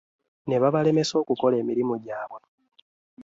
Ne babalemesa okukola emirimu gyabwe.